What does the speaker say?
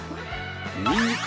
にんにく